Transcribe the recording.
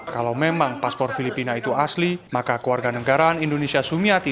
kalau memang paspor filipina itu asli maka keluarga negaraan indonesia sumiati